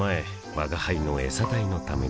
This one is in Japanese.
吾輩のエサ代のためにも